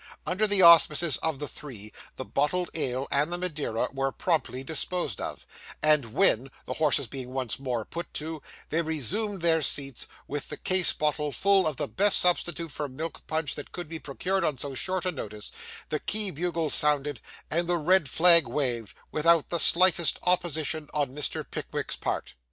Under the auspices of the three, the bottled ale and the Madeira were promptly disposed of; and when (the horses being once more put to) they resumed their seats, with the case bottle full of the best substitute for milk punch that could be procured on so short a notice, the key bugle sounded, and the red flag waved, without the slightest opposition on Mr. Pickwick's part.